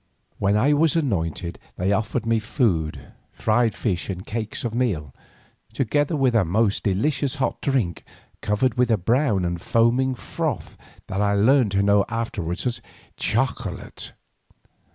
When I was anointed they offered me food, fried fish and cakes of meal, together with a most delicious hot drink covered with a brown and foaming froth that I learned to know afterwards as chocolate.